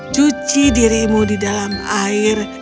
cuci dirimu di dalam air